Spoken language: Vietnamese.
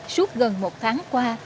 suốt gần một tháng qua